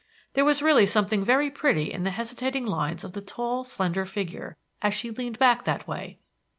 There was really something very pretty in the hesitating lines of the tall, slender figure, as she leaned back that way.